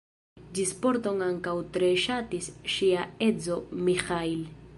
Ĉi-sporton ankaŭ tre ŝatis ŝia edzo Miĥail.